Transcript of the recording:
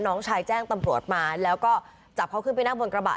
น้องชายแจ้งตำรวจมาแล้วก็จับเขาขึ้นไปนั่งบนกระบะ